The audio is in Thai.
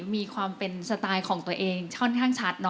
มีความเป็นสไตล์ของตัวเองค่อนข้างชัด